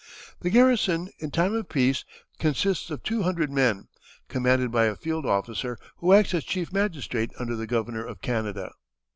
The garrison in time of peace consists of two hundred men, commanded by a field officer, who acts as chief magistrate under the Governor of Canada.